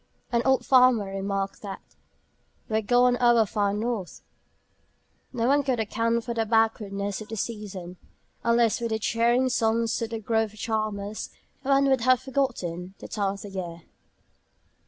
An old farmer remarked that "We're gaun ower faur North." No one could account for the backwardness of the season. Unless for the cheering songs of the grove charmers, one would have forgotten the time of the year.